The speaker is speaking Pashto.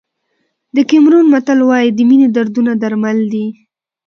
د کیمرون متل وایي د مینې دردونه درمل دي.